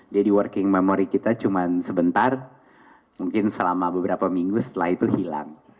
jadi working memory kita cuma sebentar mungkin selama beberapa minggu setelah itu hilang